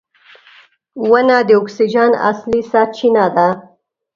• ونه د اکسیجن اصلي سرچینه ده.